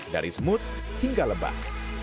dari smut hingga lebak